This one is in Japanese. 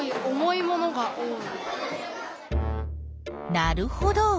なるほど。